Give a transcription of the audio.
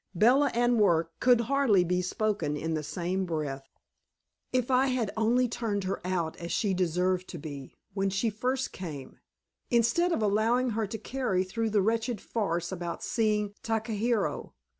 Bella and work could hardly be spoken in the same breath. If I had only turned her out as she deserved to be, when she first came, instead of allowing her to carry through the wretched farce about seeing Takahiro!